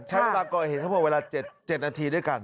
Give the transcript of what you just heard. ใช้ก่อเหตุ๗นาที